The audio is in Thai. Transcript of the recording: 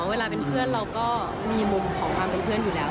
เวลาเป็นเพื่อนเราก็มีมุมของความเป็นเพื่อนอยู่แล้ว